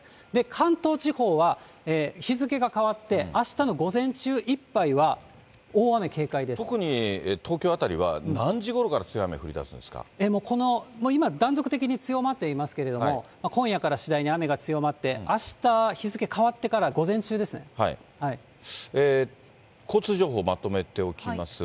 関東地方は日付が変わって、あしたの午前中いっぱいは、大雨警戒特に東京辺りは、何時ごろから強い雨、この今、断続的に強まっていますけれども、今夜から次第に雨が強まって、あした、交通情報、まとめておきますが。